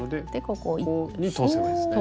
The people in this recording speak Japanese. ここに通せばいいんですね。